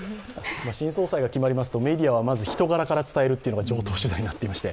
新総裁が決まりますと、メディアはまず人柄から伝えるというのが常套手段になっていまして。